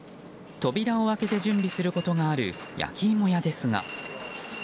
扉を開けて準備することもある焼き芋屋ですが。